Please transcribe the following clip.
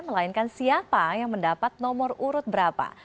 melainkan siapa yang mendapat nomor urut berapa